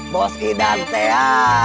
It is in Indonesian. bos idan teh ya